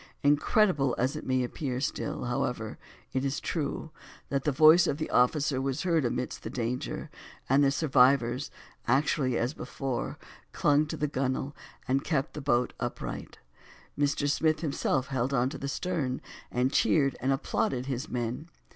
Incredible as it may appear, still, however, it is true, that the voice of the officer was heard amidst the danger; and the survivors, actually as before, clung to the gun wale, and kept the boat upright. Mr. Smith himself held to the stern, and cheered and applauded his men.